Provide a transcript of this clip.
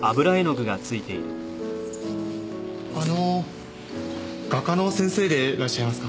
あの画家の先生でいらっしゃいますか？